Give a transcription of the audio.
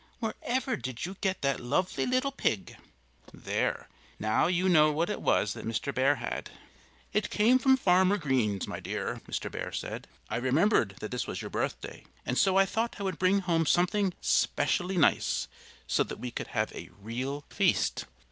"Wherever did you get that lovely little pig?" There now you know what it was that Mr. Bear had. "It came from Farmer Green's, my dear," Mr. Bear said. "I remembered that this was your birthday, and so I thought I would bring home something 'specially nice, so that we could have a real feast."